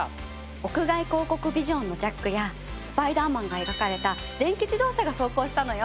屋外広告ビジョンのジャックやスパイダーマンが描かれた電気自動車が走行したのよ！